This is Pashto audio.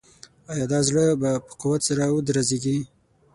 آیا دا زړه به په قوت سره ودرزیږي؟